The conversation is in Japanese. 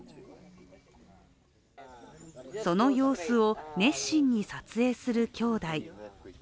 その様子を熱心に撮影する兄弟。